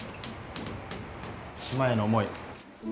島への思い。